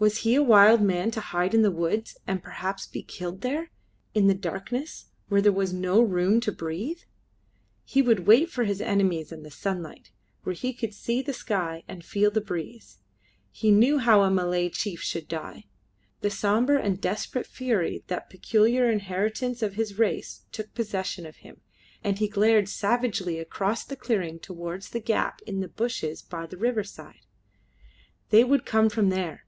Was he a wild man to hide in the woods and perhaps be killed there in the darkness where there was no room to breathe? He would wait for his enemies in the sunlight, where he could see the sky and feel the breeze. He knew how a Malay chief should die. The sombre and desperate fury, that peculiar inheritance of his race, took possession of him, and he glared savagely across the clearing towards the gap in the bushes by the riverside. They would come from there.